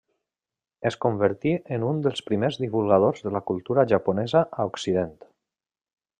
Es convertí en un dels primers divulgadors de la cultura japonesa a Occident.